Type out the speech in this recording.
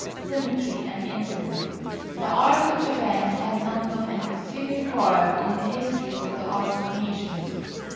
SYMMETRY AND INCIDENT The art of Japan has none but an exterior part in the history of the art of nations.